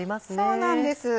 そうなんです。